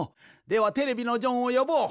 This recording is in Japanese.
ではテレビのジョンをよぼう！